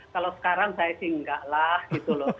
kalau sekarang saya sih enggak lah gitu loh